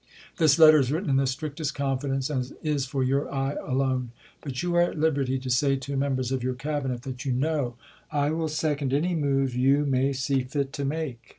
This letter is written in the strictest confidence, and is for your eye alone. But you are at liberty to say to mem bers of your Cabinet that you know I will second any move you may see fit to make.